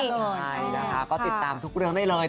ใช่นะคะก็ติดตามทุกเรื่องได้เลย